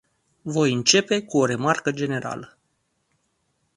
Voi începe cu o remarcă generală.